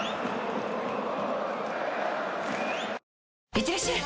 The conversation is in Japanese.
いってらっしゃい！